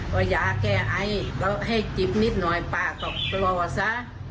ว่ายาแก้ไอแล้วให้จิบนิดหน่อยป้าก็รอซะ